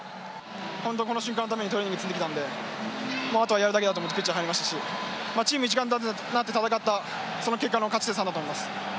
本当にこの瞬間のためにトレーニングを積んできたのであとはやるだけだと思ってピッチに入りましたしチーム一丸となって戦ったその結果の勝ち点３だと思ってます。